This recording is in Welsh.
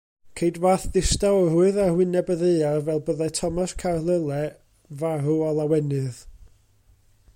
Ceid fath ddistawrwydd ar wyneb y ddaear fel byddai Thomas Carlyle farw o lawenydd.